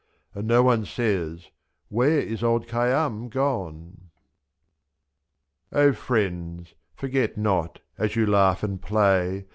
And no one says — "Where is old Khayyam gone?" O friends, forget not, as you laugh and play.